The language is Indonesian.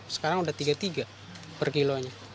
sekarang udah rp tiga puluh tiga per kilonya